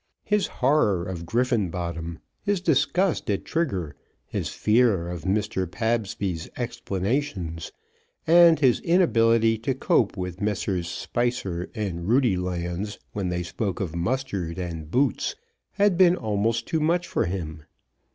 His horror of Griffenbottom, his disgust at Trigger, his fear of Mr. Pabsby's explanations, and his inability to cope with Messrs. Spicer and Roodylands when they spoke of mustard and boots, had been almost too much for him.